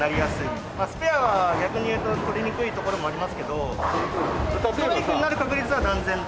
スペアは逆に言うと取りにくいところもありますけどストライクになる確率は断然高いです。